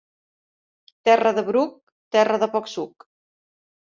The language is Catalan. Terra de bruc, terra de poc suc.